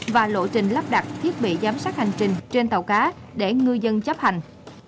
và lộ trình lắp đặt thiết bị giám sát hành trình trên tàu cá để ngư dân chấp hành